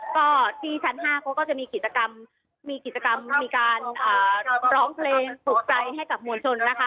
ก็ที่ชั้น๕เขาก็จะมีกิจกรรมมีกิจกรรมมีการร้องเพลงปลูกใจให้กับมวลชนนะคะ